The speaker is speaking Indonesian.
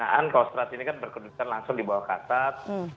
pembinaan pangkostrat ini kan berkembang langsung di bawah kasat